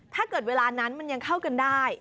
ถ้าเกิดเวลานั้นมันยังเข้ากันได้